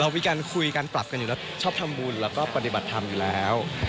มีการคุยกันปรับกันอยู่แล้วชอบทำบุญแล้วก็ปฏิบัติธรรมอยู่แล้ว